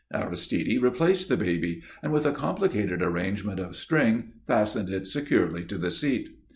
Aristide replaced the baby, and with a complicated arrangement of string fastened it securely to the seat.